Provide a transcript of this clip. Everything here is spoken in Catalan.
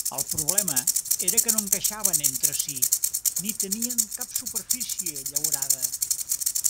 El problema era que no encaixaven entre si, ni tenien cap superfície llaurada.